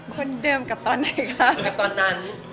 คนเดิมกับตอนไหนคะ